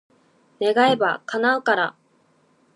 願えば、叶うから。